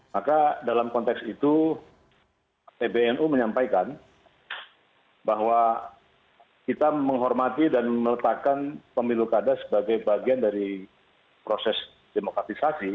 maka dalam konteks itu pbnu menyampaikan bahwa kita menghormati dan meletakkan pemilu kada sebagai bagian dari proses demokratisasi